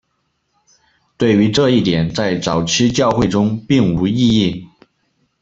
对于这一点在早期教会中并无异议。